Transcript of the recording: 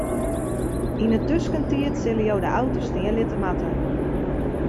Yn 'e tuskentiid sille jo de auto stean litte moatte.